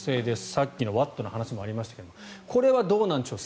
さっきのワットの話もありましたがこれはどうなんでしょう。